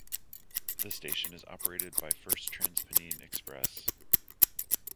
The station is operated by First TransPennine Express.